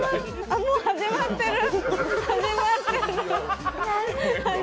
あ、もう始まってる。